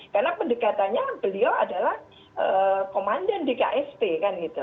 karena pendekatannya beliau adalah komandan di ksp kan gitu